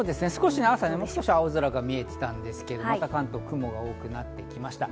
朝は、もう少し青空が見えていたんですけど、関東は雲が多くなってきました。